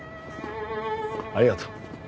ありがとう。